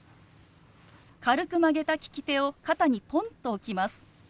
軽く曲げた利き手を肩にポンと置きます。